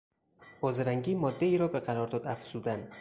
با زرنگی مادهای را به قرارداد افزودن